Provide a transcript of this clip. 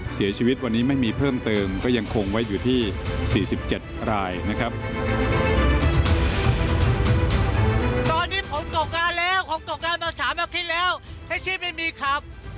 เสียชีวิตวันนี้ไม่มีเพิ่มเติมก็ยังคงไว้อยู่ที่๔๗รายนะครับ